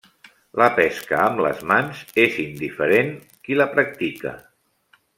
La pesca amb les mans és indiferent qui la practica.